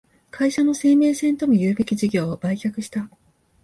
会社の生命線ともいうべき事業を売却した